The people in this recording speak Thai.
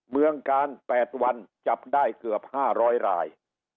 เมืองกาล๘วันจับได้เกือบ๕๐๐ราย